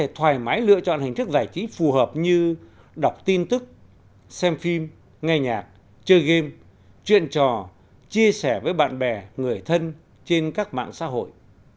thoải mái lựa chọn hình thức giải trí phù hợp như đọc tin tức xem phim nghe nhạc chơi game chuyện trò chia sẻ với bạn bè người thân trên các mạng xã hội